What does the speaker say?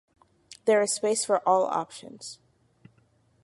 There is space for all options.